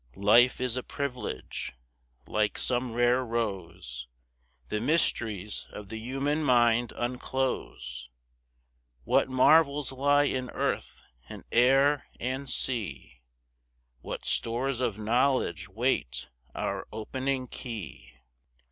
Life is a privilege. Like some rare rose The mysteries of the human mind unclose. What marvels lie in earth, and air, and sea! What stores of knowledge wait our opening key!